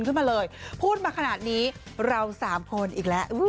ขึ้นมาเลยพูดมาขนาดนี้เราสามคนอีกแล้ว